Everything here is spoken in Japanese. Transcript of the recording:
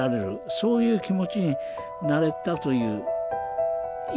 そういう気持ちになったという事です。